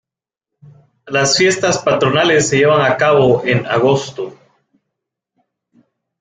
Las fiestas patronales se llevan a cabo en agosto.